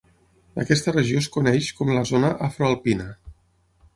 Aquesta regió es coneix com la zona afroalpina.